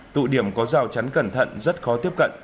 tụ điểm có rào chắn cẩn thận rất khó tiếp cận